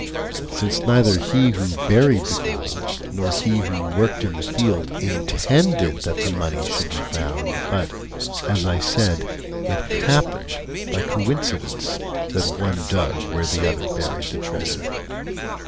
Since neither he who buried the gold nor he who worked in the field intended that the money should be found, but, as I said, it happened by coincidence that one dug where the other buried the treasure.